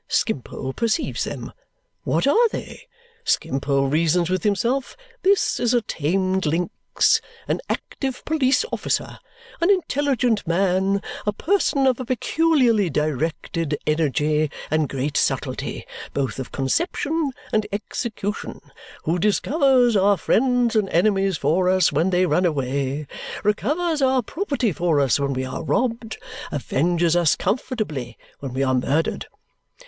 Skimpole perceives them. What are they? Skimpole reasons with himself, this is a tamed lynx, an active police officer, an intelligent man, a person of a peculiarly directed energy and great subtlety both of conception and execution, who discovers our friends and enemies for us when they run away, recovers our property for us when we are robbed, avenges us comfortably when we are murdered.